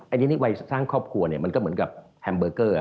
อันนี้วัยสร้างครอบครัวเนี่ยมันก็เหมือนกับแฮมเบอร์เกอร์